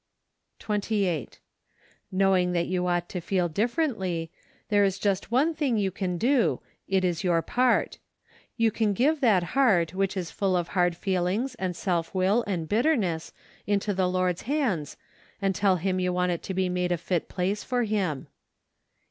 1 ' 28. Knowing that you ought to feel dif¬ ferently, there is just one thing you can do, it is your part; you can give that heart which is full of hard feelings and self will and bitterness, into the Lord's hands, and tell Him you want it to be made a lit place for him.